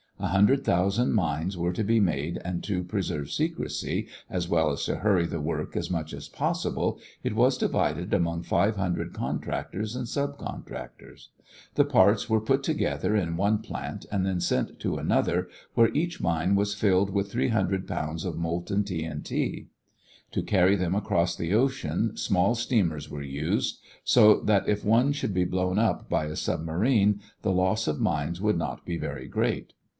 A hundred thousand mines were to be made and to preserve secrecy, as well as to hurry the work as much as possible, it was divided among five hundred contractors and subcontractors. The parts were put together in one plant and then sent to another, where each mine was filled with three hundred pounds of molten TNT. To carry them across the ocean small steamers were used, so that if one should be blown up by a submarine the loss of mines would not be very great.